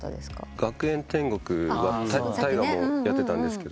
『学園天国』タイガもやってたんですけど